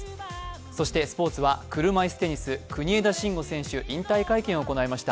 そしてスポーツは車いすテニス、国枝慎吾選手引退会見を行いました。